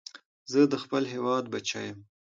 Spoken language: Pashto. زه د خپل هېواد بچی یم